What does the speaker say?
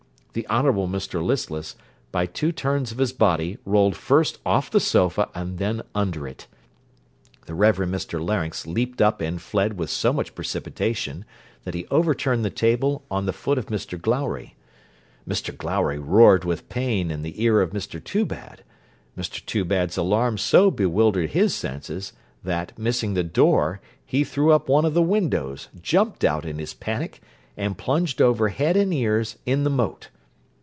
The Honourable Mr Listless, by two turns of his body, rolled first off the sofa and then under it. The Reverend Mr Larynx leaped up and fled with so much precipitation, that he overturned the table on the foot of Mr Glowry. Mr Glowry roared with pain in the ear of Mr Toobad. Mr Toobad's alarm so bewildered his senses, that, missing the door, he threw up one of the windows, jumped out in his panic, and plunged over head and ears in the moat.